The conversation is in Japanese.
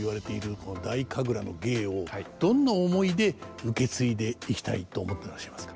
この太神楽の芸をどんな思いで受け継いでいきたいと思ってらっしゃいますか？